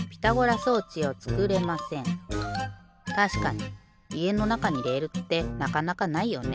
たしかにいえのなかにレールってなかなかないよね。